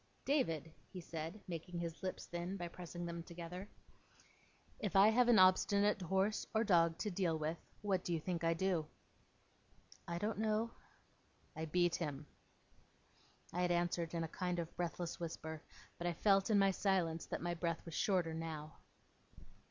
'David,' he said, making his lips thin, by pressing them together, 'if I have an obstinate horse or dog to deal with, what do you think I do?' 'I don't know.' 'I beat him.' I had answered in a kind of breathless whisper, but I felt, in my silence, that my breath was shorter now.